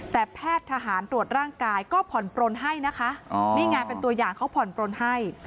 แต่แพทย์ทหารตรวจร่างกายก็ผ่อนปลนให้นะคะนี่ไงเป็นตัวอย่างเขาผ่อนปลนให้